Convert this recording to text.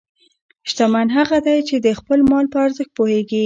شتمن هغه دی چې د خپل مال په ارزښت پوهېږي.